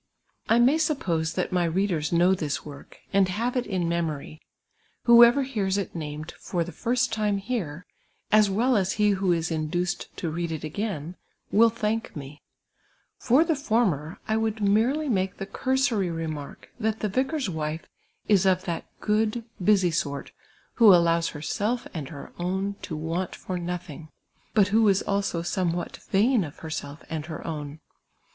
1 may supjK)sc that my readers know this workj and have 2b 870 TRUTTr AND rOTTRY ; FROM MY OWN LIFE. it in incmorv ; wlioovcr hears it named for the first time here, ns well as he who is inchiced to read it again, will thank mc. For the former, I would merely make the cursory remark, that the vicar's wife is of that f^ood, busy sort, who allows herself and her own to want for uothinf;, but who is also some what vain of herself and her own.